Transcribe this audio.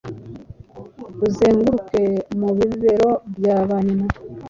Uzenguruke mu bibero bya ba nyina